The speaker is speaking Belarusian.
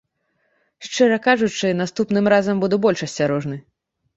Шчыра кажучы, наступным разам буду больш асцярожны.